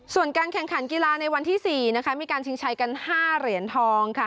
ส่วนการแข่งขันกีฬาในวันที่๔นะคะมีการชิงชัยกัน๕เหรียญทองค่ะ